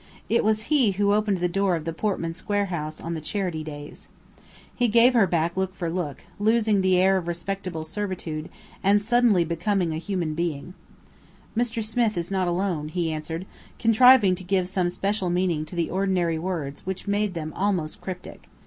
It was he who opened the door of the Portman Square house on the "charity days." He gave her back look for look, losing the air of respectable servitude and suddenly becoming a human being. "Mr. Smith is not alone," he answered, contriving to give some special meaning to the ordinary words which made them almost cryptic.